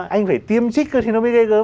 anh phải tiêm trích thì nó mới gây gớm